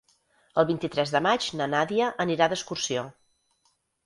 El vint-i-tres de maig na Nàdia anirà d'excursió.